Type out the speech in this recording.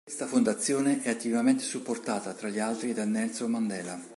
Questa fondazione è attivamente supportata, tra gli altri, da Nelson Mandela.